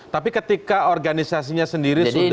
tapi ketika organisasinya sendiri sudah